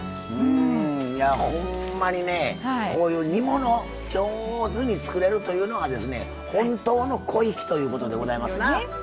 ほんまにね、こういう煮物上手に作れるというのは本当の小粋ということでございますな。